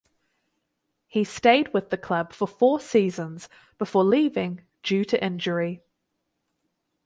He stayed with the club for four seasons before leaving due to injury.